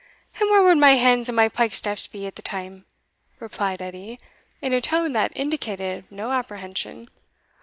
"And whare wad my hands and my pike staff be a' the time?" replied Edie, in a tone that indicated no apprehension.